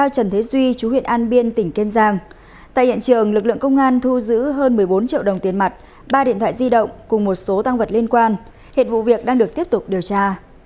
tại hiện trường lực lượng công an thu giữ hơn một mươi bốn triệu đồng tiền mặt ba điện thoại di động cùng một số tăng vật liên quan hiện vụ việc đang được tiếp tục điều tra